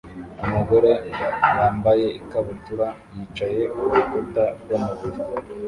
Umugore wambaye ikabutura yicaye kurukuta rwamabuye